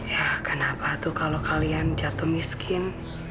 ya kenapa tuh kalau kalian jatuh miskin